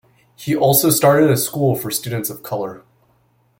He also started a school for students of color.